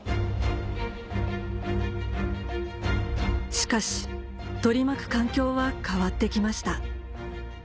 しかし取り巻く環境は変わって来ました